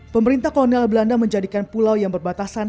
pemerintah kolonial belanda menjadikan pulau yang berbatasan